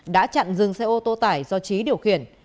đã chặn dừng xe ô tô tải do trí điều khiển